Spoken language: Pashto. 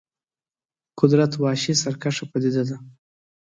قدرت وحشي سرکشه پدیده ده.